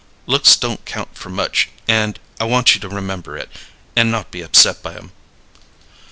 Looks don't count for much, and I want you to remember it, and not be upset by 'em."